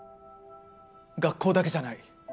学校だけじゃない。